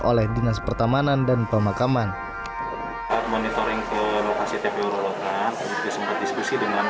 oleh dinas pertamanan dan pemakaman monitoring ke lokasi tpu rorotan itu sempat diskusi dengan